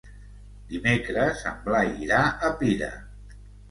Dimecres en Blai irà a Pira.